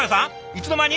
いつの間に？